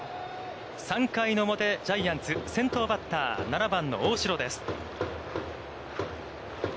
３回表、ジャイアンツ先頭バッター、７番の大城です。